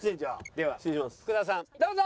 では福田さんどうぞ！